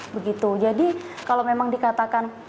begitu jadi kalau memang dikatakan